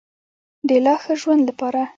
د لا ښه ژوند لپاره.